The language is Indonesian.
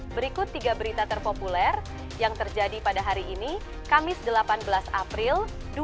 berikut tiga berita terpopuler yang terjadi pada hari ini kamis delapan belas april dua ribu dua puluh